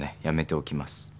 やめておきます。